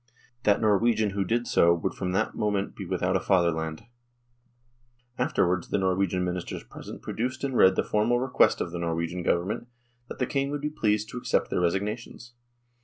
That Norwegian who did so would from that moment be without a fatherland. Afterwards the Norwegian Ministers present 104 NORWAY AND THE UNION WITH SWEDEN produced and read the formal request of the Norwegian Government, that the King would be pleased to accept their resignations.